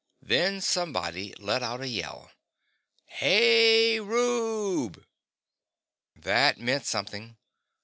Then somebody let out a yell. "Hey, rooob!" That meant something.